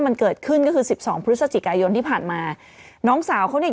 มันเกิดขึ้นก็คือสิบสองพฤศจิกายนที่ผ่านมาน้องสาวเขาเนี่ย